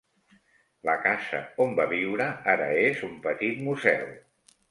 La casa on va viure ara és un petit museu.